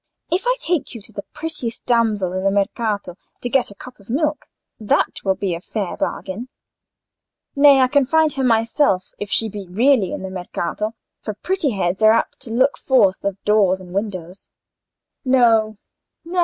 If I take you to the prettiest damsel in the Mercato to get a cup of milk—that will be a fair bargain." "Nay; I can find her myself, if she be really in the Mercato; for pretty heads are apt to look forth of doors and windows. No, no.